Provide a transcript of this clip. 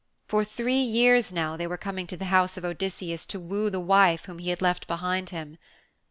For three years now they were coming to the house of Odysseus to woo the wife whom he had left behind him.